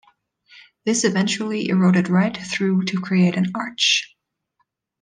This eventually eroded right through to create an arch.